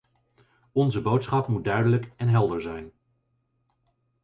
Onze boodschap moet duidelijk en helder zijn.